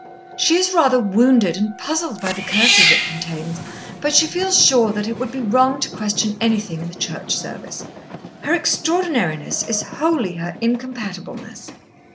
She is rather wounded and puzzled by the curses it contains, but she feels sure that it would be wrong to question anything in the Church Service. Her extraordinariness is wholly her incompatibleness."